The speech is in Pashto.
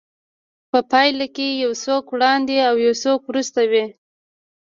په پايله کې يو څوک وړاندې او يو څوک وروسته وي.